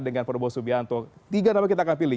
dengan prabowo subianto tiga nama kita akan pilih